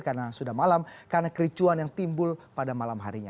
karena sudah malam karena kericuan yang timbul pada malam harinya